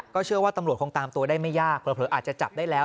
เชื่อว่าตำรวจคงตามตัวได้ไม่ยากเผลออาจจะจับได้แล้ว